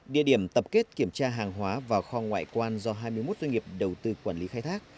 địa điểm tập kết kiểm tra hàng hóa và kho ngoại quan do hai mươi một doanh nghiệp đầu tư quản lý khai thác